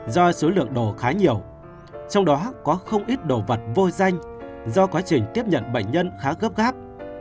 do số lượng đồ khá nhiều trong đó có không ít đồ vật vôi danh do quá trình tiếp nhận bệnh nhân khá gấp gáp